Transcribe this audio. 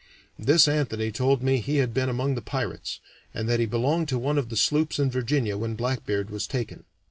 This Anthony told me he had been among the pirates, and that he belonged to one of the sloops in Virginia when Blackbeard was taken.